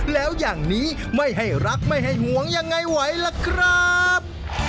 แล้วอย่างนี้ไม่ให้รักไม่ให้หวงยังไงไหวล่ะครับ